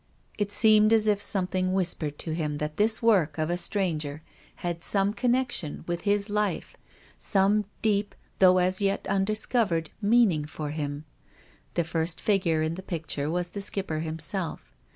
It seemed as if something whispered to him that this work of a stranger had some connection with his life, some deep, though as yet undiscovered, mean ing for him. The first figure in the picture was the Skipper himself.